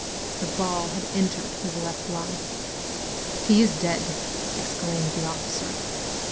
The ball had entered his left lung. "He is dead!" exclaimed the officer.